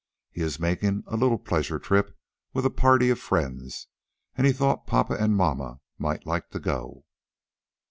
He is making a little pleasure trip, with a party of friends, and he thought papa and mamma might like to go."